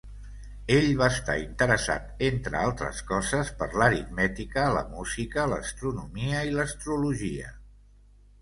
Ell va estar interessat, entre altres coses, per l'aritmètica, la música, l'astronomia i l'astrologia.